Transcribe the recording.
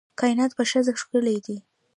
کائنات په ښځه ښکلي دي